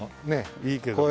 いいけどもね。